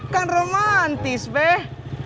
kan romantis beh